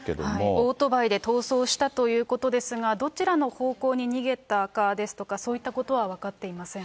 オートバイで逃走したということですけれども、どちらの方向に逃げたかですとか、そういったことは分かっていません。